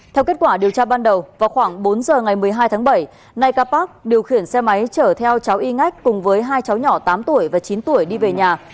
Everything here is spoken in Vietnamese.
theo kết quả điều tra ban đầu vào khoảng bốn giờ ngày một mươi hai tháng bảy nay ca park điều khiển xe máy chở theo cháu y ngách cùng với hai cháu nhỏ tám tuổi và chín tuổi đi về nhà